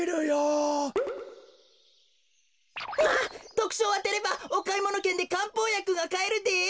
とくしょうをあてればおかいものけんでかんぽうやくがかえるです。